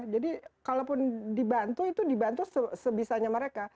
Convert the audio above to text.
jadi kalaupun dibantu itu dibantu sebisanya mereka